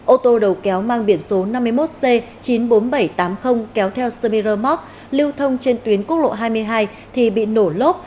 ô tô đầu kéo mang biển số năm mươi một c chín mươi bốn nghìn bảy trăm tám mươi kéo theo semira mok lưu thông trên tuyến quốc lộ hai mươi hai thì bị nổ lốp